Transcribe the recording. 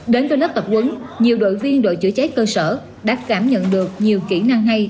đến với lớp tập quấn nhiều đội viên đội chữa cháy cơ sở đã cảm nhận được nhiều kỹ năng hay